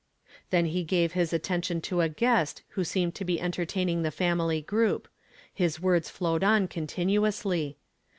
Ihen he gave his attention to a guest who seemed to be entertaining the family group; his words flowed on continuously.